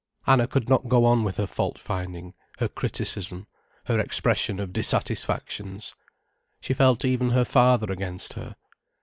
Anna could not go on with her fault finding, her criticism, her expression of dissatisfactions. She felt even her father against her.